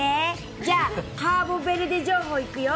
じゃあ、カーボベルデ情報いくよ。